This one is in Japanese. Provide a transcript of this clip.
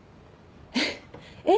えっ？